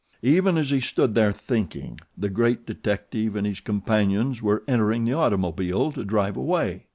Even as he stood there thinking the great detective and his companions were entering the automobile to drive away.